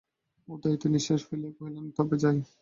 উদয়াদিত্য নিশ্বাস ফেলিয়া কহিলেন, তবে যাই।